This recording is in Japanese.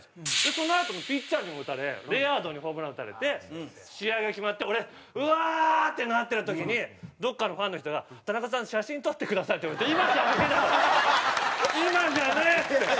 そのあともうピッチャーにも打たれレアードにホームラン打たれて試合が決まって俺「うわあー！」ってなってる時にどこかのファンの人が「田中さん写真撮ってください」って言われて「今じゃねえだろ！」。「今じゃねえ！」っつって。